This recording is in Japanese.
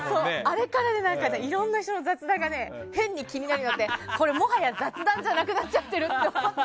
あれからいろんな人の雑談が変に気になるようになってもはや雑談じゃなくなってるって思って。